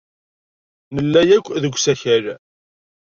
Nella akk deg usakal.